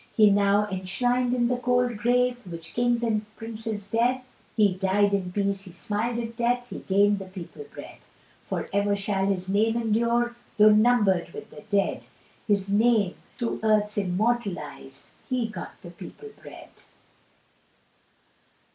He's now enshrin'd in the cold grave, Which Kings and princes dread; He died in peace, he smil'd at death, "He'd gained the people bread." For ever shall his name endure, Tho' numbered with the dead, His name through earth's immortalised, "He got the people bread."